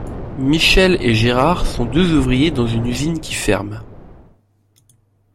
Michel et Gérard sont deux ouvriers dans une usine qui ferme.